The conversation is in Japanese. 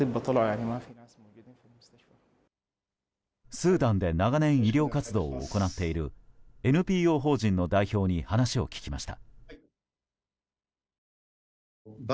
スーダンで長年、医療活動を行っているＮＰＯ法人の代表に話を聞きました。